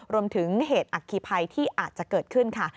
รวมถึงเหตุอัคคีภัยที่อาจจะเกิดขึ้นค่ะ